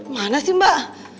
mana sih mbak